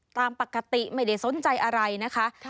ตามปกติไม่ได้สนใจอะไรนะคะ